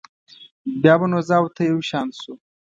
بیا به نو زه او ته یو شان شو.